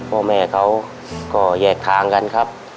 พ่อแม่เขาก็แยกทางกันครับ